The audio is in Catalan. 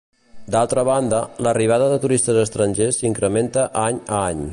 D'altra banda, l'arribada de turistes estrangers s'incrementa any a any.